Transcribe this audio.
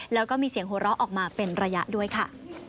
แล้วก็มีเสียงหัวเราะออกมาเป็นระยะด้วยค่ะ